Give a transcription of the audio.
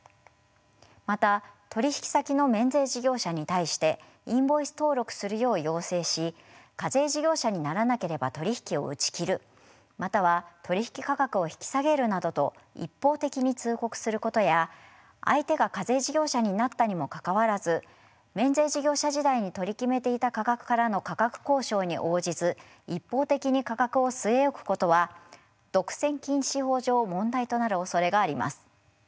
また取引先の免税事業者に対してインボイス登録するよう要請し「課税事業者にならなければ取り引きを打ち切る」または「取り引き価格を引き下げる」などと一方的に通告することや相手が課税事業者になったにもかかわらず免税事業者時代に取り決めていた価格からの価格交渉に応じず一方的に価格を据え置くことは独占禁止法上問題となるおそれがあります。